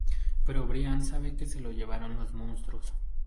Pero Brian sabe que se lo llevaron los monstruos.